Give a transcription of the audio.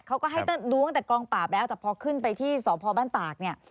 เขาก็ให้ดูตั้งแต่กองปราบแล้วแต่พอขึ้นไปที่สพบ้านตากเนี่ย